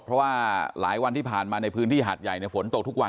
เพราะว่าหลายวันที่ผ่านมาในพื้นที่หาดใหญ่ฝนตกทุกวัน